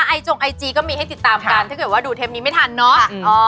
จงไอจีก็มีให้ติดตามกันถ้าเกิดว่าดูเทปนี้ไม่ทันเนาะ